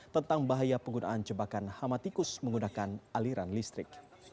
tentang bahaya penggunaan jebakan hama tikus menggunakan aliran listrik